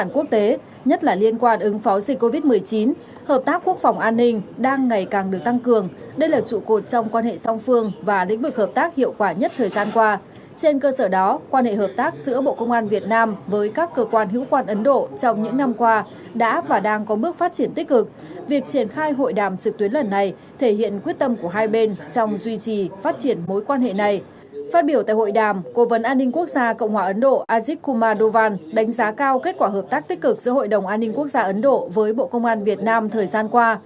phát biểu tại hội đàm cố vấn an ninh quốc gia cộng hòa ấn độ ajit kumar dovan đánh giá cao kết quả hợp tác tích cực giữa hội đồng an ninh quốc gia ấn độ với bộ công an việt nam thời gian qua